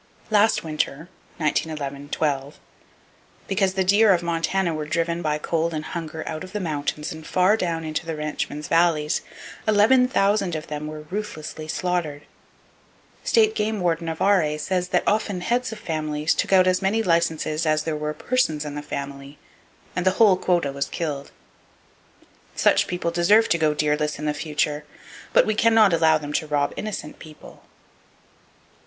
Last winter (1911 12), because the deer of Montana were driven by cold and hunger out of the mountains and far down into the ranchmen's [Page 159] valleys, eleven thousand of them were ruthlessly slaughtered. State Game Warden Avare says that often heads of families took out as many licenses as there were persons in the family, and the whole quota was killed. Such people deserve to go deerless into the future; but we can not allow them to rob innocent people.